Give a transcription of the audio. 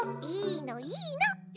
いいのいいの。